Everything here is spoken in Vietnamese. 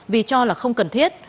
vì cho là không cần thiết